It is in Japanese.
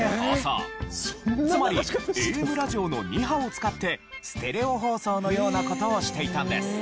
つまりＡＭラジオの２波を使ってステレオ放送のような事をしていたんです。